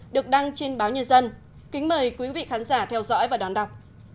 được đăng trên báo nhân dân kính mời quý vị khán giả theo dõi và đón đọc